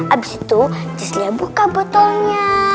abis itu just lianya buka botolnya